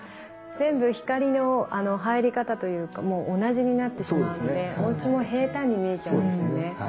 全部光の入り方というかも同じになってしまうのでおうちも平たんに見えちゃうんですよね。